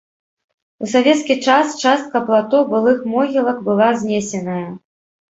У савецкі час частка плато былых могілак была знесеная.